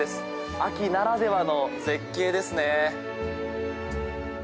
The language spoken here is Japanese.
秋ならではの絶景ですね。